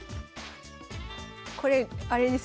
これあれです